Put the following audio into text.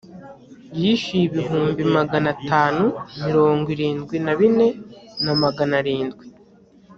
yishyuye ibihumbi magana atanu mirongo irindwi na bine na magana arindwi